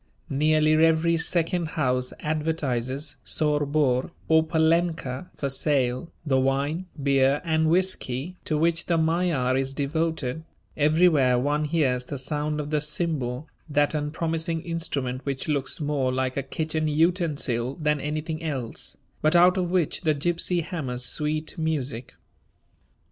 Nearly every second house advertises "Sor Bor" or "Palenka" for sale the wine, beer, and whiskey to which the Magyar is devoted; everywhere one hears the sound of the cymbal, that unpromising instrument which looks more like a kitchen utensil than anything else, but out of which the gypsy hammers sweet music.